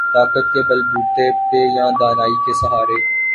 طاقت کے بل بوتے پہ یا دانائی کے سہارے۔